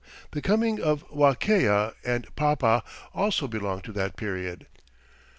The coming of Wakea and Papa also belonged to that period.